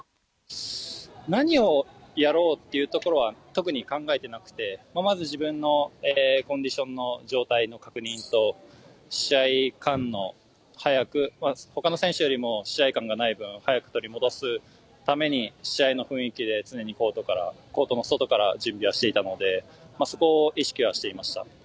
何をやろうっていうところは特に考えてなくてまず自分のコンディションの状態の確認と他の選手よりも試合勘がない分早く取り戻すために試合の雰囲気を常にコートの外から準備はしていたので、そこを意識はしていました。